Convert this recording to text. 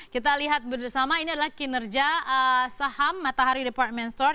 kita lihat bersama ini adalah kinerja saham matahari department store